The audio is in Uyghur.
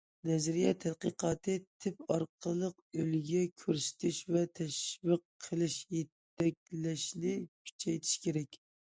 نەزەرىيە تەتقىقاتى، تىپ ئارقىلىق ئۈلگە كۆرسىتىش ۋە تەشۋىق قىلىش، يېتەكلەشنى كۈچەيتىش كېرەك.